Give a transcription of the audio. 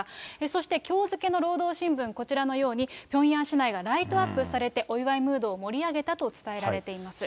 そして、きょう付けの労働新聞、こちらのように、ピョンヤン市内はライトアップされて、お祝いムードを盛り上げたと伝えられています。